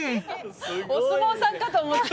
お相撲さんかと思った。